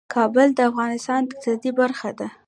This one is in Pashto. کابل د افغانستان د اقتصاد برخه ده.